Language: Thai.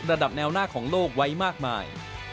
ระดับแนวหน้าของโลกไว้มากมาย